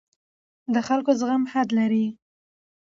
د خلکو زغم حد لري